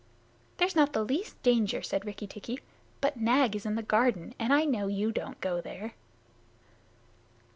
"There's not the least danger," said Rikki tikki. "But Nag is in the garden, and I know you don't go there."